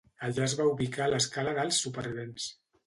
Allà es va ubicar l'escala dels supervivents.